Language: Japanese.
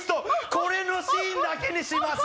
これのシーンだけにします。